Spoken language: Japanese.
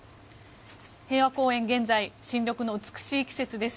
平和公園、現在新緑の美しい季節です。